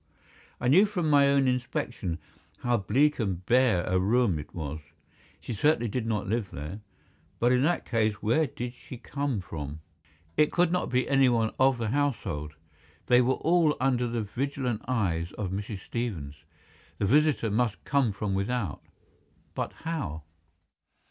I knew from my own inspection how bleak and bare a room it was. She certainly did not live there. But in that case where did she come from? It could not be anyone of the household. They were all under the vigilant eyes of Mrs. Stevens. The visitor must come from without. But how?